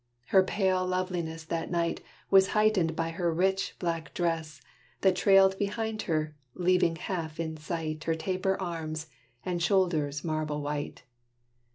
Her pale loveliness, That night, was heightened by her rich, black dress, That trailed behind her, leaving half in sight Her taper arms, and shoulders marble white.